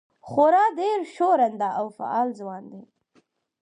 خورا ډېر ښورنده او فعال ځوان دی.